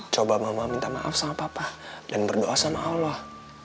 coba mama minta maaf sama papa dan berdoa sama allah